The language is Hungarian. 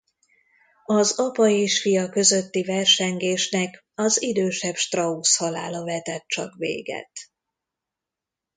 Az apa és fia közötti versengésnek az idősebb Strauss halála vetett csak véget.